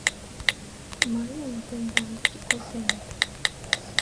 — Мыйым тендан деке колтеныт.